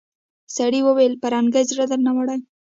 سړي وويل پرنګۍ زړه درنه وړی.